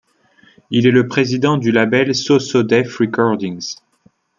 Il est le président du label So So Def Recordings.